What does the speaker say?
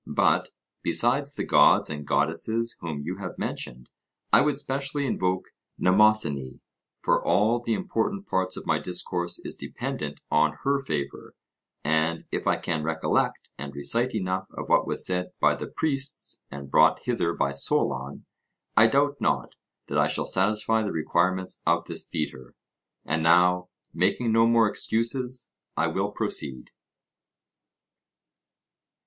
But besides the gods and goddesses whom you have mentioned, I would specially invoke Mnemosyne; for all the important part of my discourse is dependent on her favour, and if I can recollect and recite enough of what was said by the priests and brought hither by Solon, I doubt not that I shall satisfy the requirements of this theatre. And now, making no more excuses, I will proceed.